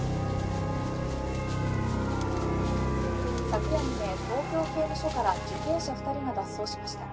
昨夜未明東京刑務所から受刑者２人が脱走しました。